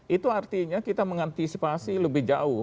itu artinya kita mengantisipasi lebih jauh